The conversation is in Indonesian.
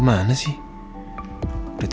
mereka bisa lepas